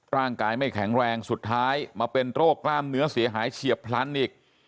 ร่างกายไม่แข็งแรงสุดท้ายมาเป็นโรคกล้ามเนื้อเสียหายเฉียบพลันอีก